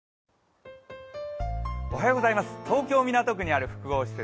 東京・港区にある複合施設